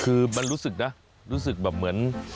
คือมันรู้สึกนะรู้สึกแบบเหมือน